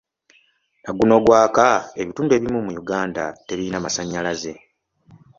Naguno gwaka ebitundu ebimu mu Uganda tebirina masannyalaze.